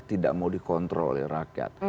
tidak mau dikontrol oleh rakyat